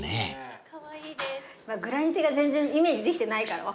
グラニテが全然イメージできてないから。